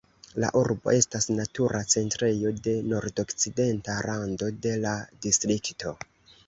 La urbo estas natura centrejo de nordokcidenta rando de la distrikto.